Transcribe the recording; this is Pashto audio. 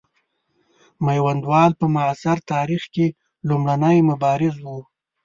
میوندوال په معاصر تاریخ کې لومړنی مبارز وو.